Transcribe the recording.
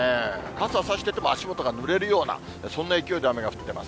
傘差してても足元がぬれるような、そんな勢いで雨が降ってます。